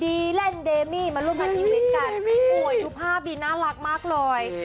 ดีแร่นเดมีมารวมพันยูเล็กกันโอ้โหดูภาพดีน่ารักมากเลย